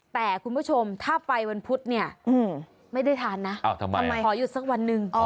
แต่คุณผู้ชมถ้าไปวันพุธเนี่ยไม่ได้ทานนะทำไมขอหยุดสักวันหนึ่ง